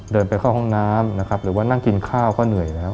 เดินไปเข้าห้องน้ำนะครับหรือว่านั่งกินข้าวก็เหนื่อยแล้ว